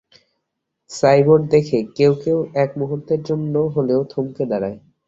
সাইবোর্ড দেখে কেউ কেউ এক মুহুর্তের জন্য হলেও থমকে দাঁড়ায়।